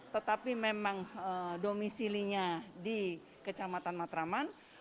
tetapi memang domisilinya di kecamatan matraman